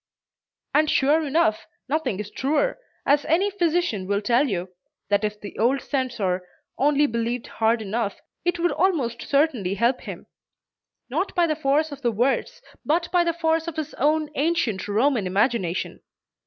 And sure enough, nothing is truer, as any physician will tell you, that if the old censor only believed hard enough, it would almost certainly help him; not by the force of the words, but by the force of his own ancient Roman imagination.